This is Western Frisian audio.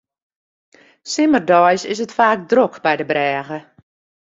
Simmerdeis is it faak drok by de brêge.